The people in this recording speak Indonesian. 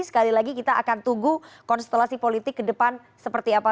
sekali lagi kita akan tunggu konstelasi politik ke depan seperti apa